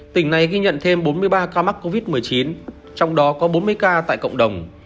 tỉnh này ghi nhận thêm bốn mươi ba ca mắc covid một mươi chín trong đó có bốn mươi ca tại cộng đồng